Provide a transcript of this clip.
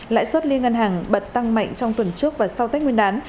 lãi suất liên ngân hàng bật tăng mạnh trong tuần trước và sau tết nguyên đán